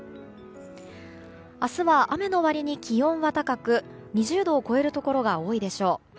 明日は雨の割に気温が高く２０度を超えるところが多いでしょう。